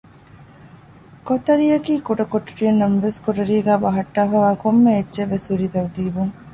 ކޮތަރިއަކީ ކުޑަ ކޮޓަރިއެއްނަމަވެސް ކޮޓަރީގައ ބަހައްޓާފައިވާ ކޮންމެ އެއްޗެއްވެސް ހުރީ ތަރުތީބުން